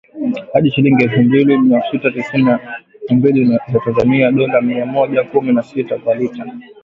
Hadi shilingi elfu mbili mia sita tisini na mbili za Tanzania (dola mia moja kumi na sita) kwa lita.